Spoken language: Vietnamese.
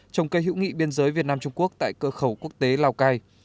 trồng cây hữu nghị biên giới việt nam trung quốc tại cơ khẩu quốc tế lào cai